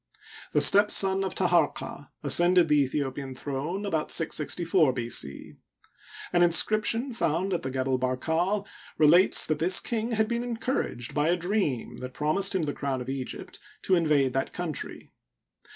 — The step son of Taharqa ascended the Aethi opian throne about 664 B. C. An inscription found at the Gebel Barkal relates that this king had been encouraged, by a dream that promised him the crown of Egypt, to in vade that country.